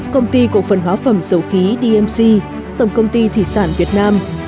công ty cổ phần hóa phẩm dầu khí dmc tổng công ty thủy sản việt nam